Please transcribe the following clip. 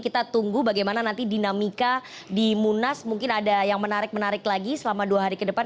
kita tunggu bagaimana nanti dinamika di munas mungkin ada yang menarik menarik lagi selama dua hari ke depan